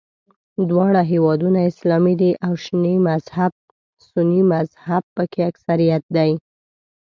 دواړه هېوادونه اسلامي دي او سني مذهب په کې اکثریت دی.